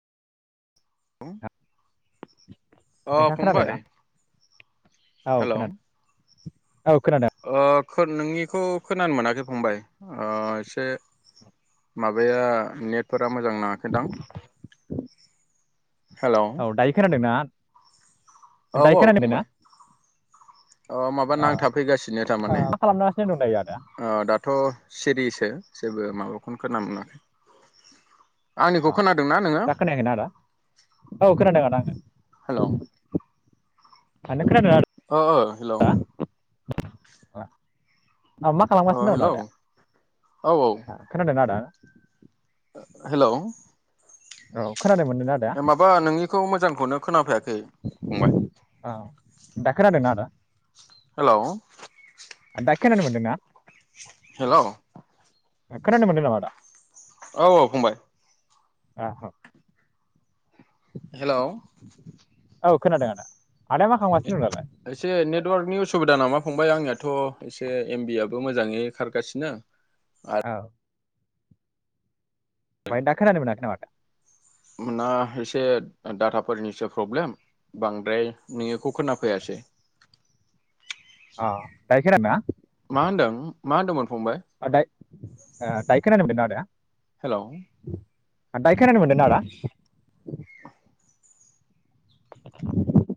औ अ नोंथाङा खोनादोंना फंबाय औ हेल' खोनादों औ खोनादों। ओ खो नोंनिखौ खोनानो मोनाखै फंबाय ओ एसे माबाया नेटफोरा मोजां नाङाखैदां। हेल' औ दायो खोनादोंना? औ दायो औ खोनादों ना फंबाय। अ माबा औ नांथाफैगासिनो ओ, थारमाने। मा खालामगासिनो दं दायो आदाया ओ दाथ' सिरियैसो जेबो माबाखौनो खोनानो मोना। आ खोनादोंना नोङो दा खोनायाखैना आदा? औ खोनादों आदा। हेल' ओ खोनादोंना? ओ ओ हेलौ [unintelligible] औ मा अ खालामगासिनो दं दा हेल' औ आदाया खोनादों आदा? ओ हेलौ औ खोनानो मोनदोंना आदाया माबा नोंनिखौ मोजांखौनो खोनाफैयाखै। फंबाय औ दा खोनादोंना आदा। हेलौ आ दा खोनानो मोनदोंना। हेलौ। ओ खोनानो मोन्दों नामा आदा। औ औ फंबाय। आहो हेलौ औ खोनादों आदा। आदाया मा खालामगासिनो दं दालाय एसे नेटवार्कनि उसुबिदा नामा? फंबाय आंनियाथ' एसे एमबि आबो मोजाङै खारगासिनो औ। ओम दा खोनानो मोनाखै नामा? ना एसे डाटाफोरनिसो प्रब्लेम बांद्राय नोंनिखौ खोनाफैयासै। [inaudible] औ दायो खोनादोंना? मा होनदों मोन? ओ दायो खोनानो मोनदोंना? आदाया। हेल'। दायो खोनानो मोनदों ना आदा?